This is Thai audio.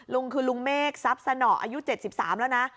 ลุงคือลุงเมฆทรัพย์สนออายุ๗๓แล้วนะ